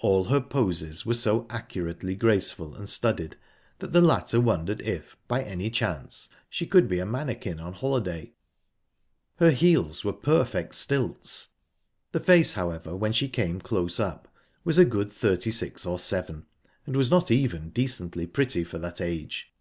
All her poses were so accurately graceful and studied that the latter wondered if, by any chance, she could be a mannequin on holiday; her heels were perfect stilts. The face, however, when she came close up, was a good thirty six or seven, and was not even decently pretty for that age.